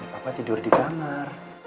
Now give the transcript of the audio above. papa tidur di kamar